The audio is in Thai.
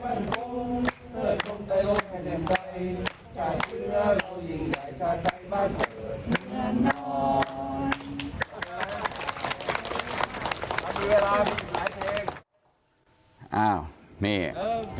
วันนี้เวลาถึงหลายเธอก